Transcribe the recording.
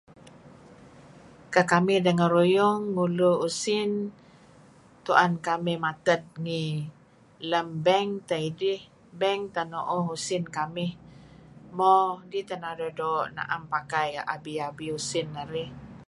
Kekamih dengeruyung ngulu usin tu'en kamih mated ngi lem beng teh idih. Beng teh nu'uh usin kamih. Mo, kidih teh narih doo' na'em pakai abi-abi usin narih.